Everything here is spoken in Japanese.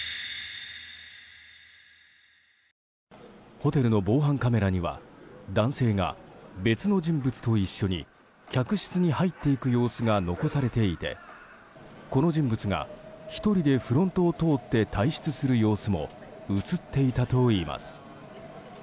ホテルの防犯カメラには男性が別の人物と一緒に客室に入っていく様子が残されていてこの人物が１人でフロントを通って退出する様子も映っていたといいます。